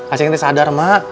acing ini sadar ma